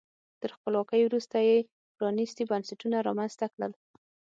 تر خپلواکۍ وروسته یې پرانیستي بنسټونه رامنځته کړل.